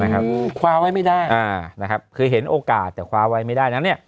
คว้าไว้ไม่ได้คือเห็นโอกาสแต่คว้าไว้ไม่ได้